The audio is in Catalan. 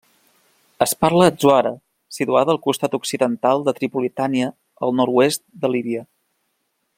És parlada a Zuwarah, situada a la costa occidental de Tripolitània al nord-oest de Líbia.